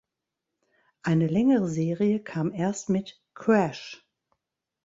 Eine längere Serie kam erst mit "Crash!